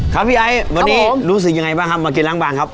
ครับพี่ไอ้วันนี้รู้สึกยังไงบ้างครับมากินล้างบางครับ